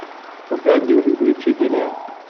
Ufiɣ-d yiwet n tneččit yelhan.